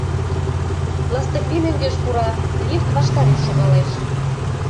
Ластыквий мӧҥгеш пура, лифт ваштареш шогалеш.